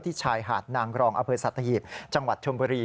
ที่ชายหาดนางรองอสัตหีพจังหวัดชมบุรี